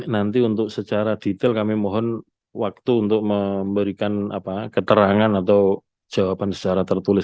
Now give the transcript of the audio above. nanti untuk secara detail kami mohon waktu untuk memberikan keterangan atau jawaban secara tertulis